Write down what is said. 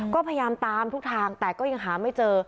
ก็พยายามตามทุกทางแต่ก็ยังหาไม่เจอ